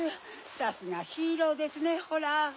さすがヒーローですねホラ。